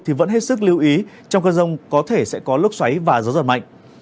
thì vẫn hết sức lưu ý trong cơn rông có thể sẽ có lúc xoáy và gió giật mạnh